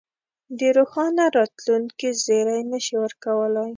د روښانه راتلونکې زېری نه شي ورکولای.